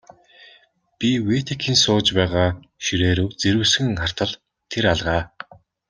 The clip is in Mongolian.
Би Витекийн сууж байгаа ширээ рүү зэрвэсхэн хартал тэр алга.